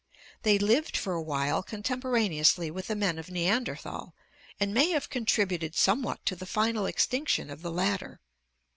They lived for a while contemporaneously with the men of Neanderthal and may have contrib uted somewhat to the final extinction of the latter.